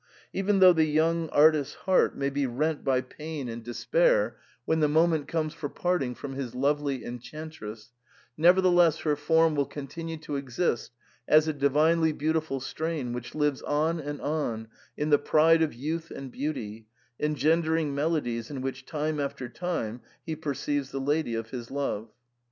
Even though the young artist's heart may be rent by pain and despair 58 THE PERM ATA, when the moment comes for parting from his lovely enchantress, nevertheless her form will continue to exist as a divinely beautiful strain which lives on and on in the pride of youth and beauty, engendering melodies in which time after time he perceives the lady of his love.